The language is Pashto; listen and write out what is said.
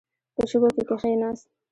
په شګو کې کښیناست.